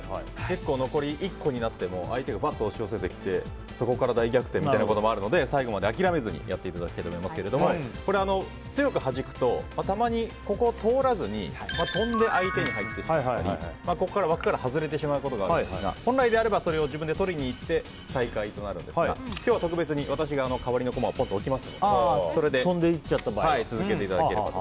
残り１個になっても相手がばっと押し寄せてきてそこから大逆転みたいなこともあるので最後まで諦めずにやっていただきたいと思いますが強くはじくとたまにここを通らずに飛んで相手に入ってしまったり枠から外れてしまうことがあるんですが本来であればそれを自分で取りに行って再開となるんですが今日は特別に私が代わりの駒を置きますのでそれで続けていただければと。